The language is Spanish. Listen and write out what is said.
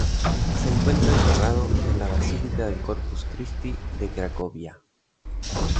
Se encuentra enterrado en la Basílica del Corpus Christi de Cracovia.